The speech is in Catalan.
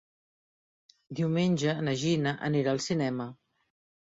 Diumenge na Gina anirà al cinema.